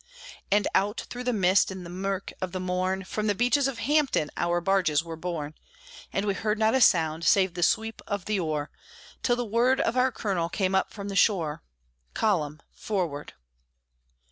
And out, through the mist, and the murk of the morn, From the beaches of Hampton our barges were borne; And we heard not a sound, save the sweep of the oar, Till the word of our colonel came up from the shore "Column! Forward!"